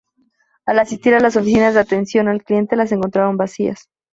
Al asistir a las oficinas de atención al cliente las encontraron vacías.